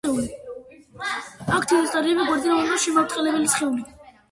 აქვთ თითისტარისებრი, გვერდებიდან ოდნავ შებრტყელებული სხეული.